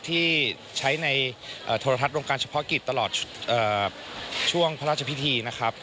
ที่ใช้ในโทรทัศน์วงการเฉพาะกิจตลอดช่วงพระราชพิธีนะครับ